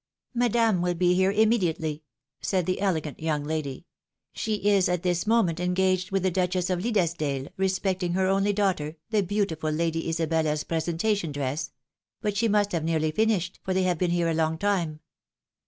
" Madame will be here immediately," said the elegant young lady. " She is at this moment engaged with the Duchess of Liddesdale respecting her only daughter, the beautiful Lady Isabelk's presentation dress. But she must have nearly finished, for they have been here a long time."